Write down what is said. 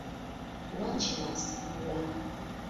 Wankima asiibula!